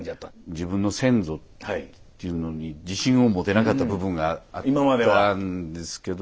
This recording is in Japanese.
自分の先祖っていうのに自信を持てなかった部分があったんですけど。